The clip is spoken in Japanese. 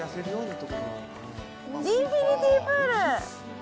インフィニティプール。